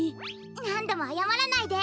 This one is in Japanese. なんどもあやまらないで。